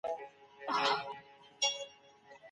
څوک په حضوري ټولګي کي د ملګرو سره همکاري کوي؟